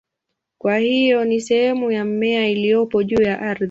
Kwa hiyo ni sehemu ya mmea iliyopo juu ya ardhi.